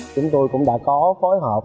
chúng tôi cũng đã có phối hợp